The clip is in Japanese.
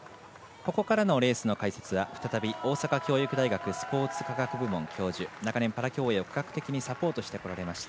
ここからのレースの解説は再び大阪教育大学スポーツ科学部門教授長年パラ競泳を科学的にサポートしてこられました